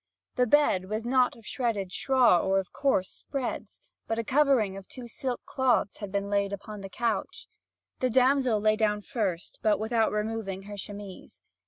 The bed was not of shredded straw or of coarse spreads. But a covering of two silk cloths had been laid upon the couch. The damsel lay down first, but without removing her chemise.